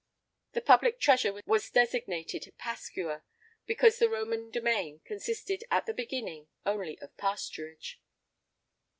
The public treasure was designated pascua, because the Roman domain consisted, at the beginning, only of pasturage.